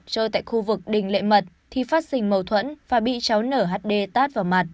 chơi tại khu vực đình lệ mật thì phát sinh mâu thuẫn và bị cháu nở hd tát vào mặt